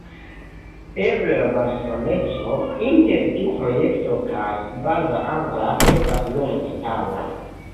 Eble la malsameco inter tiu projekto kaj Baza Angla estas nur detala.